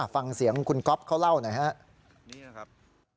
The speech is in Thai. ฟังเสียงคุณก๊อฟเขาเล่าหน่อยครับ